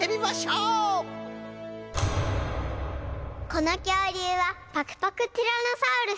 このきょうりゅうはパクパクティラノサウルス。